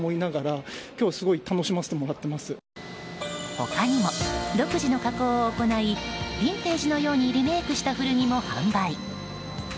他にも独自の加工を行いビンテージのようにリメイクした古着も販売。